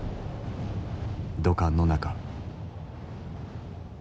土管の中。